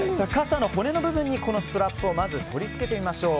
傘の骨の部分にこのストラップを取り付けてみましょう。